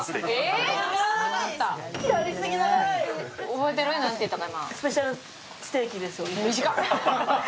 覚えてる？なんて言ったか。